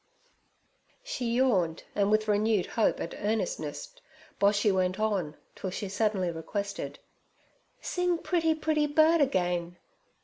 "' She yawned, and with renewed hope and earnestness Boshy went on, till she suddenly requested: 'Sing pretty, pretty bird again.